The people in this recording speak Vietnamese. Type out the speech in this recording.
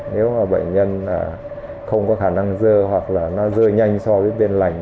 nếu bệnh nhân không có khả năng dơ hoặc là nó dơ nhanh so với bên lành